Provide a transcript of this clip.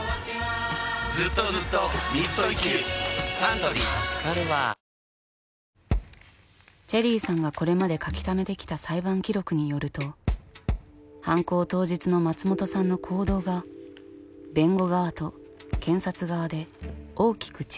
サントリー助かるわチェリーさんがこれまで書きためてきた裁判記録によると犯行当日の松本さんの行動が弁護側と検察側で大きく違っていた。